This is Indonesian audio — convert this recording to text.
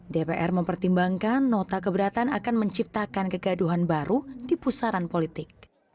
dpr mempertimbangkan nota keberatan akan menciptakan kegaduhan baru di pusaran politik